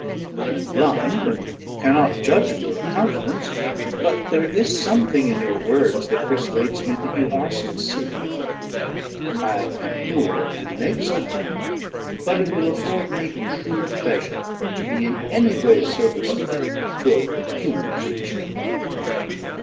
I am blind, and cannot judge of your countenance, but there is something in your words, which persuades me that you are sincere. I am poor, and an exile; but it will afford me true pleasure to be in any way serviceable to a human creature.'